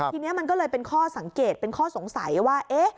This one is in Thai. ทีนี้มันก็เลยเป็นข้อสังเกตเป็นข้อสงสัยว่า